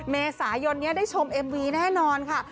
เมษายนนี้ได้ชมเอ็มวีแน่นอนค่ะ